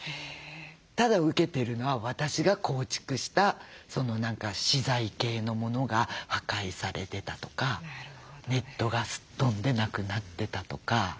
ただ受けてるのは私が構築した何か資材系の物が破壊されてたとかネットがすっ飛んでなくなってたとか。